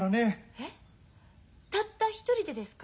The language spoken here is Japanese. えったった一人でですか？